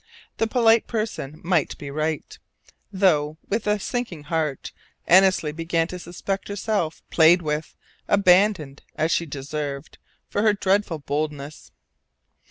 The polite person might be right, though with a sinking heart Annesley began to suspect herself played with, abandoned, as she deserved, for her dreadful boldness.